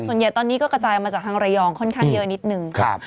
ส่วนใหญ่ตอนนี้ก็กระจายมาจากทางระยองค่อนข้างเยอะนิดนึง